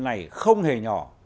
này không hề nhỏ